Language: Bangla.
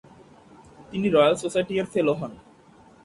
তিনি রয়্যাল সোসাইটি এর ফেলো হন।